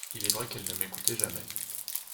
Il est vrai qu'elle ne m'écoutait jamais.